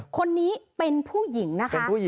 คนนี้เป็นผู้หญิงนะคะ